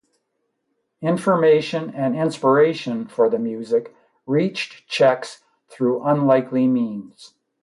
Information and inspiration for the music reached Czechs through unlikely means.